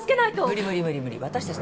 無理無理無理無理私たち